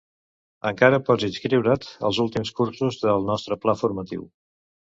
Encara pots inscriure't als últims cursos del nostre pla formatiu.